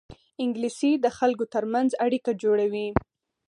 انګلیسي د خلکو ترمنځ اړیکه جوړوي